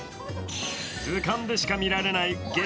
図鑑でしか見られない激